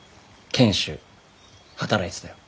賢秀働いてたよ。